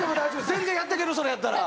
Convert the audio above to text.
全然やっていけるそれやったら。